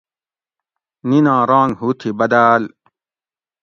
نِناں رانگ ہُو تھی بداۤل